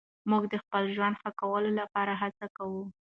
موږ د خپل ژوند ښه کولو لپاره هڅه کوو.